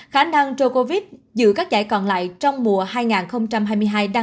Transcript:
khả năng trợ covid giữ các giải còn lại trong mùa hai nghìn hai mươi hai